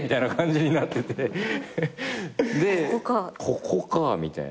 ここかみたいな。